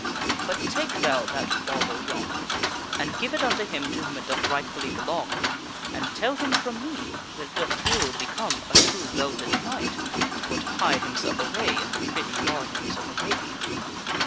But take thou that bauble yonder and give THE KNIGHT IS DISCOVERED 87 it unto him to whom it doth rightfully belong, and tell him from me that it doth ill become a true belted knight for to hide himself away in the privy gardens of a lady."